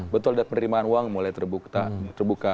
betul dan penerimaan uang mulai terbuka